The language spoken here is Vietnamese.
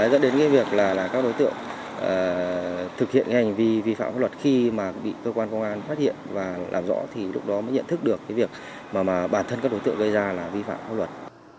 dẫn đến cái việc là các đối tượng thực hiện cái hành vi vi phạm pháp luật khi mà bị cơ quan công an phát hiện và làm rõ thì lúc đó mới nhận thức được cái việc mà bản thân các đối tượng gây ra là vi phạm pháp luật